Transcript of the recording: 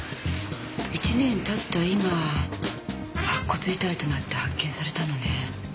１年経った今白骨遺体となって発見されたのね。